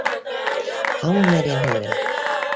— һаумы, Мәрйәм һеңлем